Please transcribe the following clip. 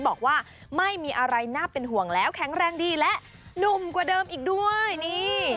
บอกว่าไม่มีอะไรน่าเป็นห่วงแล้วแข็งแรงดีและหนุ่มกว่าเดิมอีกด้วยนี่